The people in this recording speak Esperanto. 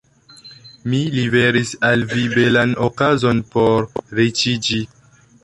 Mi liveris al vi belan okazon por riĉiĝi.